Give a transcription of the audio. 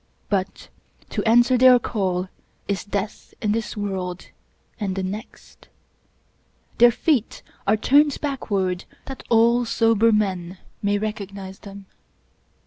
But to answer their call is death in this world and the next. Their feet are turned backward that all sober men may recognize them.